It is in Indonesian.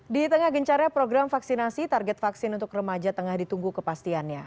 di tengah gencarnya program vaksinasi target vaksin untuk remaja tengah ditunggu kepastiannya